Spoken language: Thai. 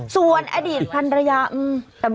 ส่วนอดีตพันรยาแต่ไม่สงบเลย